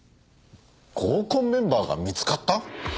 合コンメンバーが見つかった？